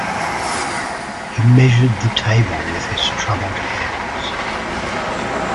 He measured the table with his troubled hands.